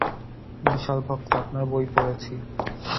বিশাল ভক্ত, আপনার বই পড়েছি।